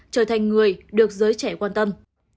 trở thành người được giới trẻ quan tâm